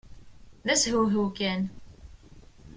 D ashewhew kan!